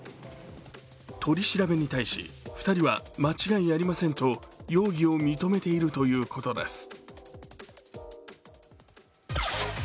取り調べに対し、２人は間違いありませんと容疑を認めているということです。